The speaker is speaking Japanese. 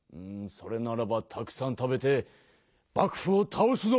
それならばたくさん食べて幕府を倒すぞ！